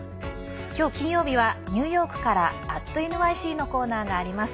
今日、金曜日はニューヨークから「＠ｎｙｃ」のコーナーがあります。